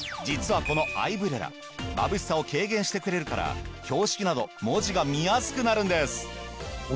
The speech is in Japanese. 実はこのアイブレラまぶしさを軽減してくれるから標識など文字が見やすくなるんです。